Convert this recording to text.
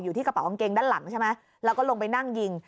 ที่กระเป๋องเกงด้านหลังใช่ไหมแล้วก็ลงไปนั่งยิง